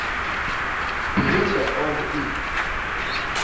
Péhél me omb i.